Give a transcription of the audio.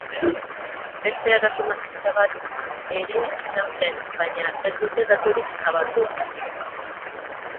Beste eraso matxista bat ere izan zen, baina ez dute daturik zabaldu.